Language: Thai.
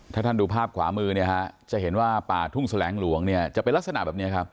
ถ้าท่านดูภาพขวามือจะเห็นว่าป่าทุ่งแสลงหลวงจะไปลักษณะแบบนี้ครับ